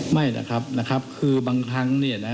ไม่นะครับคือบางครั้งเนี่ยนะ